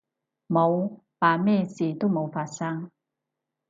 冇，扮咩事都冇發生